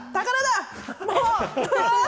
宝だ！